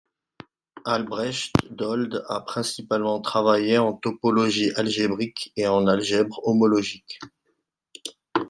Albrecht Dold a principalement travaillé en topologie algébrique et en algèbre homologique.